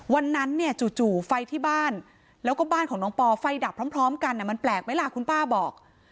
วันนั้นเนี่ยจู่ไฟที่บ้านแล้วก็บ้านของน้องปอไฟดับพร้อมกันมันแปลกไหมล่ะคุณป้าบอก